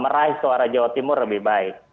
meraih suara jawa timur lebih baik